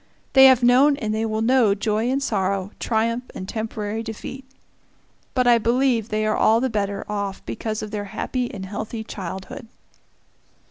They have known and they will know joy and sorrow, triumph and temporary defeat. But I believe they are all the better off because of their happy and healthy childhood.